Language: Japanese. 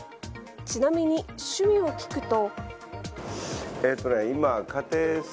ちなみに趣味を聞くと。